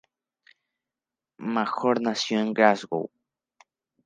Major nació en Glasgow.